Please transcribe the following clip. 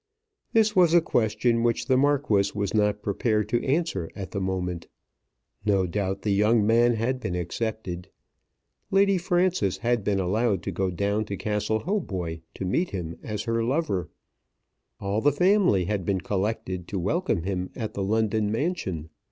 This was a question which the Marquis was not prepared to answer at the moment. No doubt the young man had been accepted. Lady Frances had been allowed to go down to Castle Hautboy to meet him as her lover. All the family had been collected to welcome him at the London mansion.